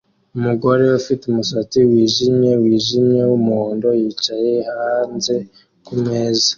Umugore ufite umusatsi wijimye wijimye wumuhondo yicaye hanze kumeza